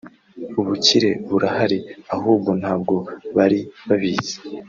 ubukire burahari ahubwo ntabwo bari babizi